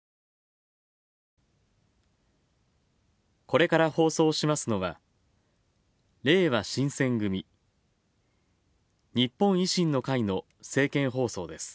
これから放送しますのは、れいわ新選組日本維新の会の政見放送です。